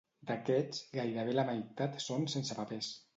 D'aquests, gairebé la meitat són sensepapers.